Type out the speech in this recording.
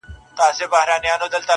ذکر عبادت او استغفار کوه په نیمه شپه,